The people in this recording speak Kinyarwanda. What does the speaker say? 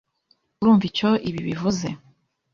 Urumva icyo ibi bivuze?